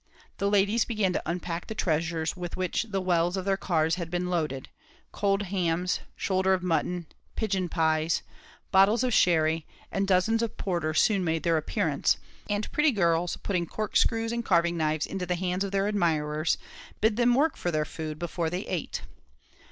The ladies began to unpack the treasures with which the wells of their cars had been loaded cold hams shoulders of mutton pigeon pies bottles of sherry and dozens of porter soon made their appearance; and pretty girls putting cork screws and carving knives into the hands of their admirers, bid them work for their food before they ate.